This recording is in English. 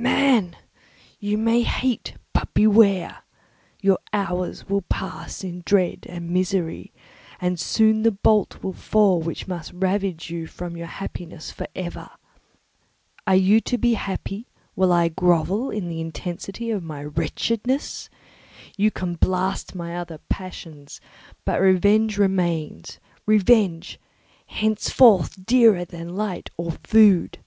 Man! You may hate, but beware! Your hours will pass in dread and misery, and soon the bolt will fall which must ravish from you your happiness for ever. Are you to be happy while I grovel in the intensity of my wretchedness? You can blast my other passions, but revenge remains—revenge, henceforth dearer than light or food!